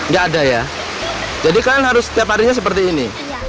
nggak ada ya jadi kalian harus setiap harinya seperti ini